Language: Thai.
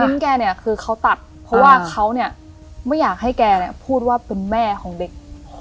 แกเนี่ยคือเขาตัดเพราะว่าเขาเนี่ยไม่อยากให้แกพูดว่าเป็นแม่ของเด็ก